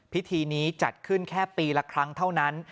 พิธีนี้จัดขึ้นแค่ปีละครั้งเท่านั้น